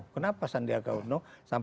kenapa sandiaga uno